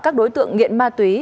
các đối tượng nghiện ma túy